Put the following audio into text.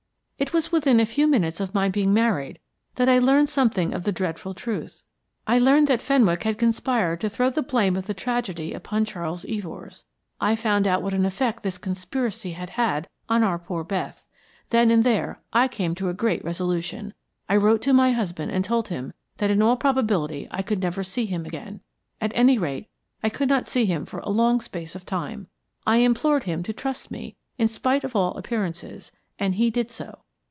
It was within a few minutes of my being married that I learned something of the dreadful truth. I learned that Fenwick had conspired to throw the blame of the tragedy upon Charles Evors. I found out what an effect this conspiracy had had on our poor Beth. There and then I came to a great resolution. I wrote to my husband and told him that in all probability I could never see him again at any rate, I could not see him for a long space of time. I implored him to trust me in spite of all appearances, and he did so.